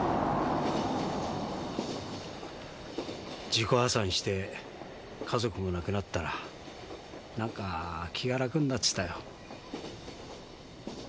自己破産して家族もなくなったら何か気が楽になっちゃったよ。